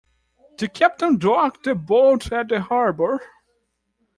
The captain docked the boat at the harbour.